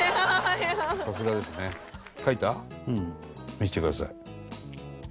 見せてください。